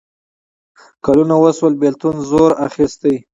کلونه وشول بېلتون زور اخیستی.